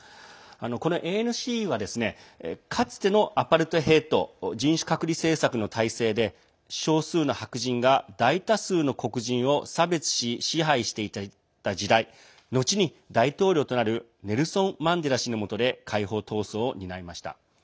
このＡＮＣは、かつてのアパルトヘイト＝人種隔離政策の体制で少数の白人が大多数の黒人を差別し、支配していた時代後に大統領となるネルソン・マンデラ氏のもとで解放闘争を担いました。